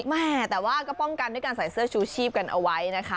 แม่แต่ว่าก็ป้องกันด้วยการใส่เสื้อชูชีพกันเอาไว้นะคะ